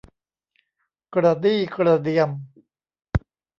กระดี้กระเดียม